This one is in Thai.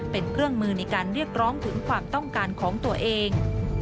เป็นเครื่องมือในการเรียกร้องถึงความต้องการของตัวเอง